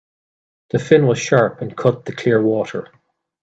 The fin was sharp and cut the clear water.